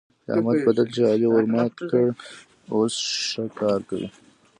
د احمد پدل چې علي ورمات کړ؛ اوس ښه کار کوي.